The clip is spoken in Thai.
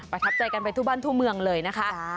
ประทับใจกันไปทั่วบ้านทั่วเมืองเลยนะคะ